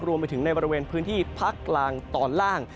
รวมไปถึงในบริเวณพื้นที่ภาคกลางตอนล่าง